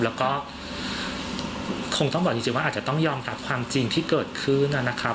แล้วก็คงต้องบอกจริงว่าอาจจะต้องยอมรับความจริงที่เกิดขึ้นนะครับ